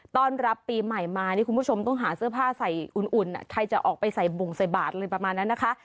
ต้อนรับปีใหม่มานี่คุณผู้ชมต้องหาเสื้อผ้าใส่อุ่นใครจะออกไปใส่บ่งใส่บาทเลยประมาณนั้นนะคะ